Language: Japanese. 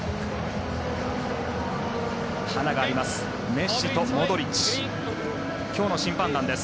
華があります